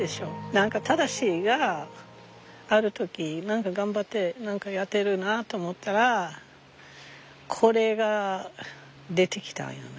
何か正がある時何か頑張って何かやってるなと思ったらこれが出てきたんよな。